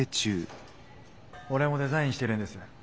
オレも「デザイン」してるんです